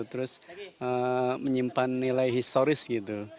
terus menyimpan nilai historis gitu